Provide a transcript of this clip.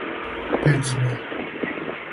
пет змија